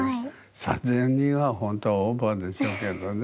３，０００人は本当はオーバーでしょうけどね。